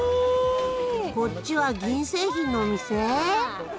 こっちは銀製品のお店？